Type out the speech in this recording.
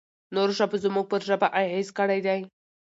نورو ژبو زموږ پر ژبه اغېز کړی دی.